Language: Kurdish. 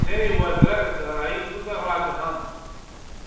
Nûnerê Wezareta Darayî, wisa ragihand